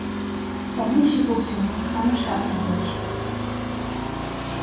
Помещик уке, манашат лиеш.